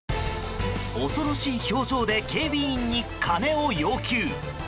恐ろしい表情で警備員に金を要求。